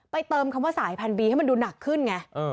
เติมคำว่าสายพันธุบีให้มันดูหนักขึ้นไง